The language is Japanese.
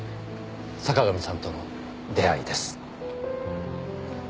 坂上さんとの出会いです。